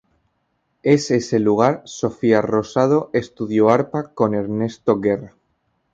Es ese lugar Sofía Rosado estudió arpa con Ernesto Guerra.